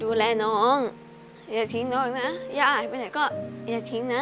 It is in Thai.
ดูแลน้องอย่าทิ้งน้องนะย่าหายไปไหนก็อย่าทิ้งนะ